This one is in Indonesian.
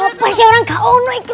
apa sih orang gak unuh ini